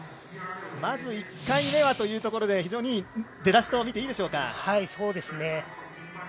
まず１回目はというところで、非常にいい出だしとみていいでしょうか。